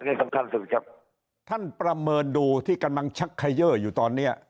อืมโดยสรุปท่านประเมินดูที่กำลังชักไขเยอะอยู่ตอนนี้